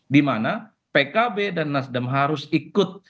dimana pkb dan nasdem harus ikut